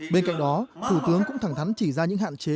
bên cạnh đó thủ tướng cũng thẳng thắn chỉ ra những hạn chế